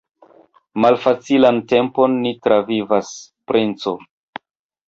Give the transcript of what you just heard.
Malfacilan tempon ni travivas, princo.